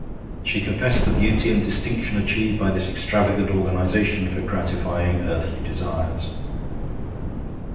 She confessed the beauty and distinction achieved by this extravagant organization for gratifying earthly desires.